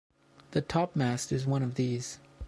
The topmast is one of these.